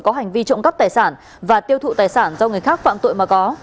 có hành vi trộm cắp tài sản và tiêu thụ tài sản do người khác phạm tội mà có